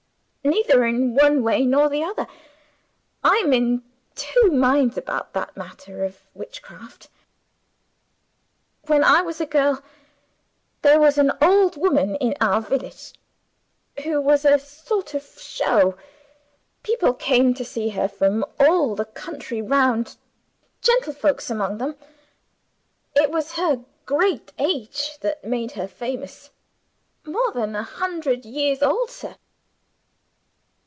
"Neither in one way nor the other. I'm in two minds about that matter of Witchcraft. When I was a girl, there was an old woman in our village, who was a sort of show. People came to see her from all the country round gentlefolks among them. It was her great age that made her famous. More than a hundred years old, sir!